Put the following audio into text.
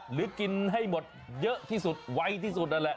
หรือกินให้หมดเยอะที่สุดไวที่สุดนั่นแหละ